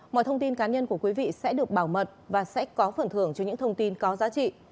mọi thông tin cá nhân của quý vị sẽ được bảo mật và sẽ có phần thưởng cho những thông tin có giá trị